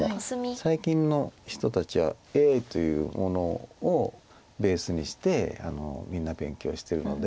最近の人たちはＡＩというものをベースにしてみんな勉強してるので。